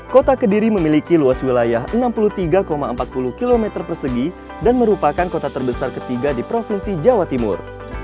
kota kediri memiliki luas wilayah enam puluh tiga empat puluh km persegi dan merupakan kota terbesar ketiga di provinsi jawa timur